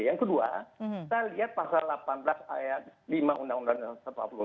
yang kedua kita lihat pasal delapan belas ayat lima undang undang seribu sembilan ratus empat puluh lima